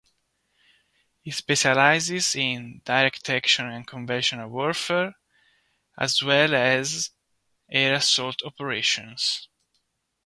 It specializes in direct action unconventional warfare as well as air assault operations.